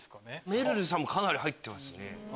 めるるさんもかなり入ってます。